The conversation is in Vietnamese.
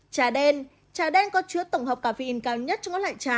trà đen trà đen có chứa tổng hợp cà phê in cao nhất trong các loại trà